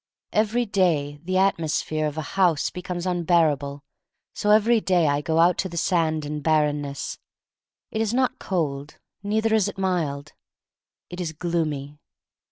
Every day the atmosphere of a house becomes unbearable, so every day I go out to the sand and barrenness. It is not cold, neither is it mild. It is gloomy.